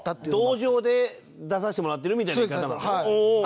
同情で出させてもらってるみたいな言い方なのね。